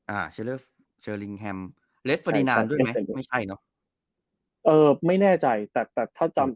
อ่าเชอร์เรอร์เชอร์ลิงแฮมไม่ใช่เนอะเออไม่แน่ใจแต่แต่ถ้าจำ